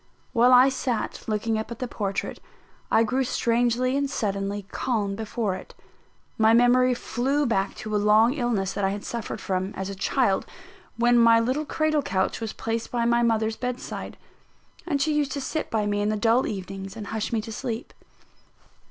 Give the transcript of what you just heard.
While I sat looking up at the portrait, I grew strangely and suddenly calm before it. My memory flew back to a long illness that I had suffered from, as a child, when my little cradle couch was placed by my mother's bedside, and she used to sit by me in the dull evenings and hush me to sleep.